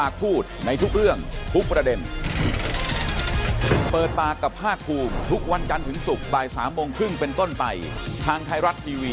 คุณคิดว่าจีนโง่เหรอ